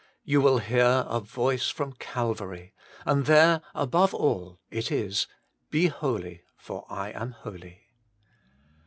You will hear a voice from Calvary, and there above all it is, Be holy, for I am holy.